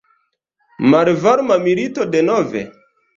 Malvarma milito denove?